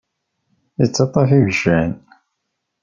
Ittaṭṭaf ibeccan.